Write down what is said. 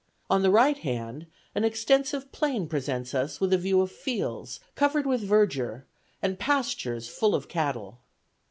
On the right hand, an extensive plain presents us with a view of fields covered with verdure, and pastures full of cattle.